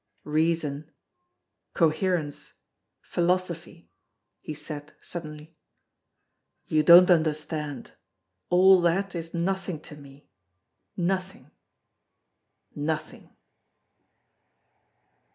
"Reason—coherence—philosophy," he said suddenly. "You don't understand. All that is nothing to me—nothing—nothing!"